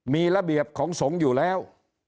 มีระเบียบของสงฆ์อยู่แล้ว